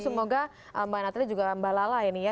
semoga mbak natali juga mbak lala ini ya